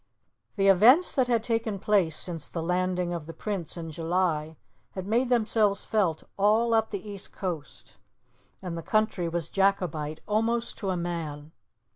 The events that had taken place since the landing of the Prince in July had made themselves felt all up the east coast, and the country was Jacobite almost to a man.